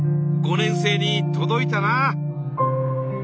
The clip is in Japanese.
５年生にとどいたな。